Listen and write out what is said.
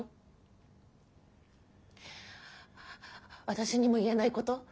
私にも言えないこと？